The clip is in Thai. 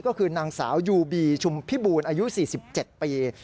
ก็คือนางสาวยูบีชุมพิบูรณ์อายุ๔๗ปี